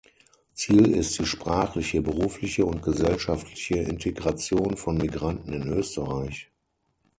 Ziel ist die sprachliche, berufliche und gesellschaftliche Integration von Migranten in Österreich.